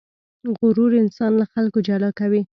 غرور انسان له خلکو جلا کوي.